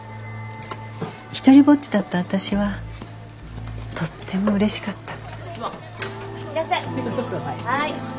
独りぼっちだった私はとってもうれしかった。